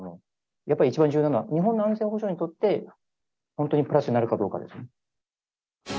やっぱり一番重要なのは、日本の安全保障にとって本当にプラスになるかどうかですね。